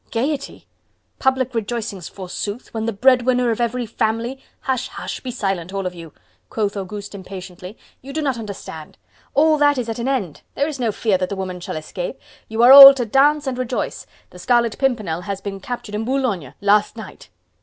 "Gaiety?... Public rejoicings forsooth, when the bread winner of every family..." "Hush! Hush! Be silent, all of you," quoth Auguste impatiently, "you do not understand!... All that is at an end... There is no fear that the woman shall escape.... You are all to dance and rejoice.... The Scarlet Pimpernel has been captured in Boulogne, last night..."